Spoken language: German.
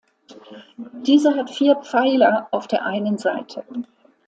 Diese hat vier Pfeiler auf der einen Seite.